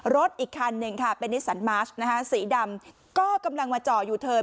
รถอีกคันนึงเป็นนิสันมาร์ชสีดำก็กำลังมาจอดูเทิน